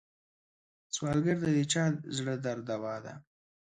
سوالګر ته د چا زړه درد دوا ده